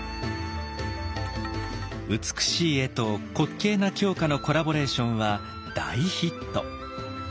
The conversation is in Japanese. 美しい絵と滑稽な狂歌のコラボレーションは大ヒット。